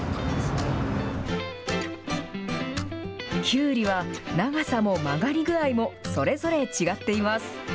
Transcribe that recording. きゅうりは長さも曲がり具合もそれぞれ違っています。